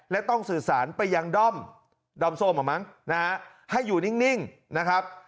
และต้องสื่อสารไปยังด้อมดอมส้มอ่ะมั้งนะฮะให้อยู่นิ่งนะครับ